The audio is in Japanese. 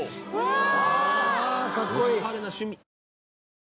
ああかっこいい。